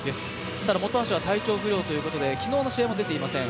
ただ本橋は体調不良ということで昨日の試合も出ていません。